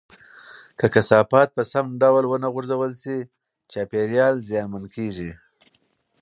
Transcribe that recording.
که کثافات په سم ډول نه غورځول شي، چاپیریال زیانمن کېږي.